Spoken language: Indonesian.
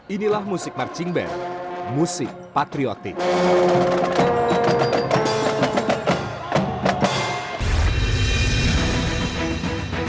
inilah musik marching band musik patriotik